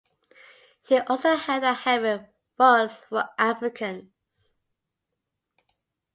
She also held that heaven was for Africans.